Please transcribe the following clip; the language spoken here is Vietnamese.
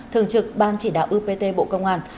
thường trực ban chỉ đạo upt bộ công an